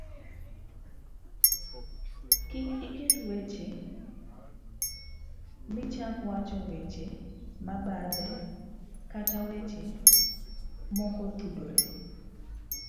kik iketh weche michak wacho weche mabathe kata weche mokotudore